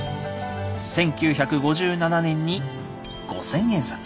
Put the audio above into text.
１９５７年に五千円札。